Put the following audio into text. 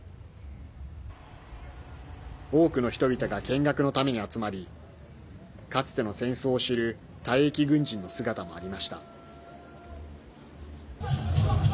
多くの人々が見学のために集まりかつての戦争を知る退役軍人の姿もありました。